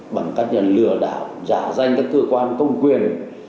bằng cách lừa đảo giả danh các cơ quan công quyền